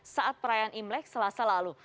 saat perayaan imlek selasa lalu